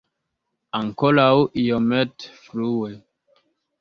Ankoraŭ iomete frue.